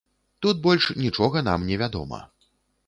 Тут больш нічога нам не вядома.